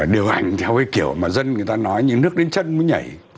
điều hành theo cái kiểu mà dân người ta nói như nước đến chân mới nhảy